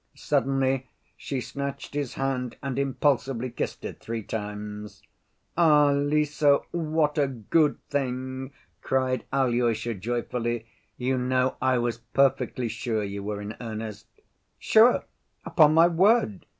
Suddenly she snatched his hand and impulsively kissed it three times. "Ah, Lise, what a good thing!" cried Alyosha joyfully. "You know, I was perfectly sure you were in earnest." "Sure? Upon my word!"